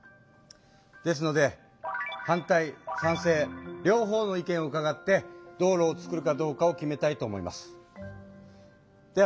ですので反対賛成両方の意見をうかがって道路をつくるかどうかを決めたいと思います。